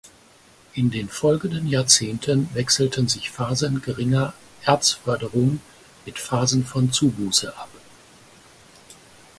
In den folgenden Jahrzehnten wechselten sich Phasen geringer Erzförderung mit Phasen von Zubuße ab.